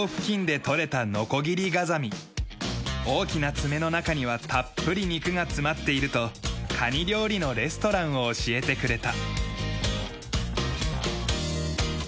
大きな爪の中にはたっぷり肉が詰まっているとカニ料理のレストランを教えてくれた。